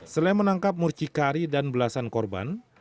selain menangkap mucikari dan belasan korban